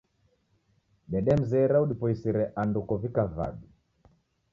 Dedemzera udipoisire ando kow'ika vadu